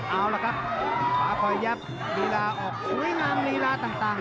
เอาละครับขวาพอยับลีลาออกอุ๊ยงามลีลาต่างต่าง